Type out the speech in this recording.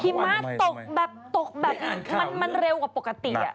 หิมะตกแบบไหนมันเร็วกับปกติ